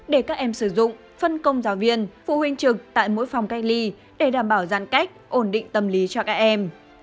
để các em sử dụng phân công giáo viên phụ huynh trực tại mỗi phòng cách ly để đảm bảo giãn cách ổn định tâm lý cho các em